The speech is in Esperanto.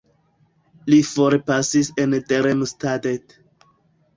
Li forpasis en Darmstadt.